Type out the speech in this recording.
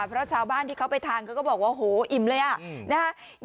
เพราะชาวบ้านที่เขาไปทานเขาก็บอกว่าโหอิ่มเลยอ่ะนะฮะ